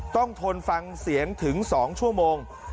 ทนฟังเสียงถึง๒ชั่วโมง